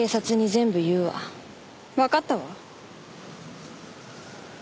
わかったわ。